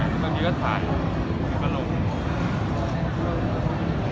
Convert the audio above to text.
มันมีศาลมันมีก็ลง